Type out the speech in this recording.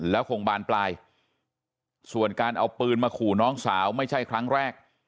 แล้วคงบานปลายส่วนการเอาปืนมาขู่น้องสาวไม่ใช่ครั้งแรก